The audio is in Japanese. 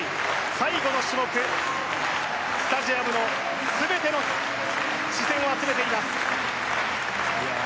最後の種目スタジアムの全ての視線を集めていますいや